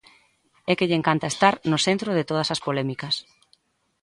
E que lle encanta estar no centro de todas as polémicas.